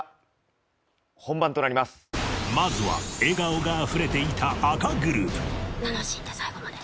まずは笑顔があふれていた最後まで。